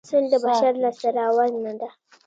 سل د بشر لاسته راوړنه ده